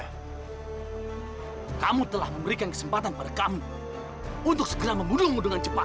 hai kamu telah memberikan kesempatan pada kami untuk segera memudung dengan cepat